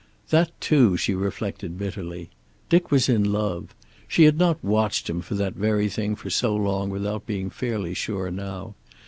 That, too, she reflected bitterly! Dick was in love. She had not watched him for that very thing for so long without being fairly sure now.